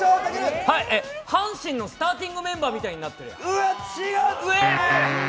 阪神のスターティングメンバーみたいになってる。